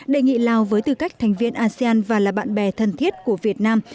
đề nghị lào với tư cách thành viên asean và là bạn bè thân thiết của việt nam